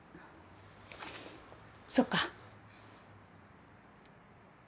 そっか。